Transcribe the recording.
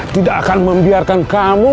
tidak akan membiarkan kamu